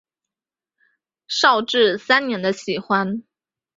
绍治三年的喜欢。